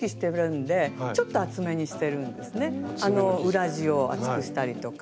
裏地を厚くしたりとか。